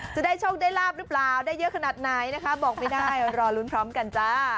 จะได้โชคได้ลาบหรือเปล่าได้เยอะขนาดไหนนะคะบอกไม่ได้รอลุ้นพร้อมกันจ้า